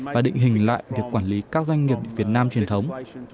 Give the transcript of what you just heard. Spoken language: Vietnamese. và định hình lại việc quản lý các doanh nghiệp việt nam truyền thống